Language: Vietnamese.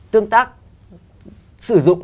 tương tác sử dụng